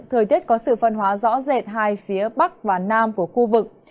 thời tiết có sự phân hóa rõ rệt hai phía bắc và nam của khu vực